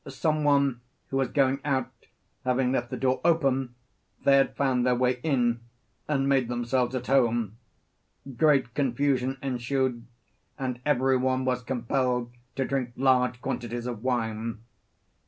Some one who was going out having left the door open, they had found their way in, and made themselves at home; great confusion ensued, and every one was compelled to drink large quantities of wine.